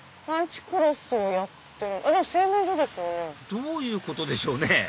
どういうことでしょうね？